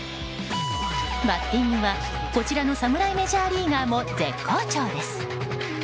バッティングは、こちらの侍メジャーリーガーも絶好調です。